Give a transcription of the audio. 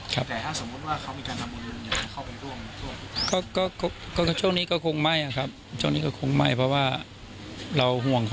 โต๊ะแน็คกลาง